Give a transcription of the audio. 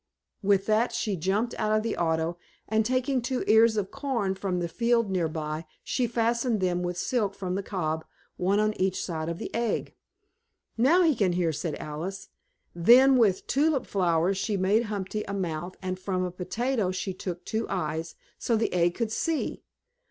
With that she jumped out of the auto and, taking two ears of corn from a field nearby, she fastened them with silk from the cob, one on each side of the egg. "Now he can hear," said Alice. Then with tulip flowers she made Humpty a mouth and from a potato she took two eyes, so the egg could see.